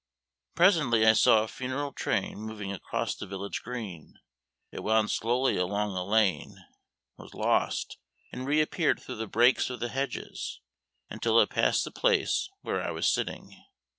Presently I saw a funeral train moving across the village green; it wound slowly along a lane, was lost, and reappeared through the breaks of the hedges, until it passed the place where I was sitting.